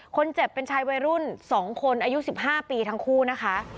คนเจ็บเป็นชายวัยรุ่น๒คนอายุ๑๕ปีทั้งคู่นะคะ